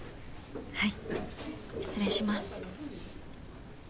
はい失礼します